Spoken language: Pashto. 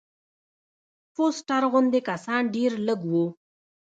فوسټر غوندې کسان ډېر لږ وو.